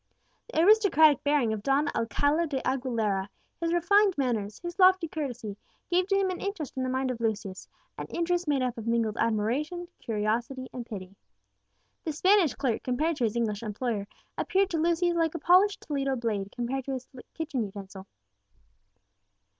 The aristocratic bearing of Don Alcala de Aguilera, his refined manners, his lofty courtesy, gave to him an interest in the mind of Lucius an interest made up of mingled admiration, curiosity, and pity. The Spanish clerk, compared to his English employer, appeared to Lucius like a polished Toledo blade compared to a kitchen utensil.